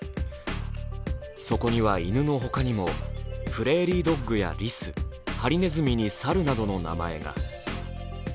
そこには犬のほかにもプレーリードッグやリス、ハリズミにサルなどの名前が。